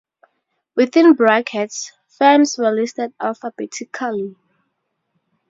Within brackets, firms were listed alphabetically.